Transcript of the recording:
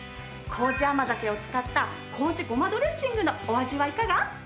糀甘酒を使った糀ごまドレッシングのお味はいかが？